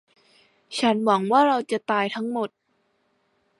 ฉันหวังว่าเราจะตายทั้งหมด